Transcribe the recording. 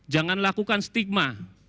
jangan lakukan stigma